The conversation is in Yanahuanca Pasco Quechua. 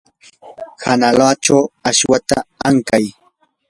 kanalachaw awashta ankay.